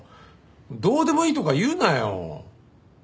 どうでもいいとか言うなよ。